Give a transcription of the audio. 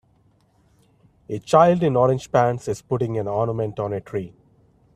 A child in orange pants is putting an ornament on a tree.